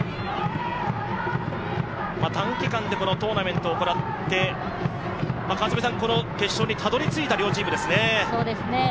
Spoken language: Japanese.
短期間でこのトーナメントを行って、この決勝にたどりついた両チームですね。